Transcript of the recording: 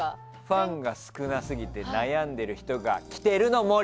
ファンが少なすぎて悩んでいる人が来てるの森。